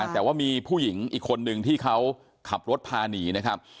แต่ว่ามีผู้หญิงอีกคนนึงที่เขาขับรถพาหนีนะครับ